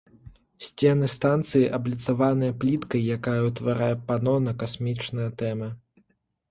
Сцены станцыі абліцаваныя пліткай, якая ўтварае пано на касмічныя тэмы.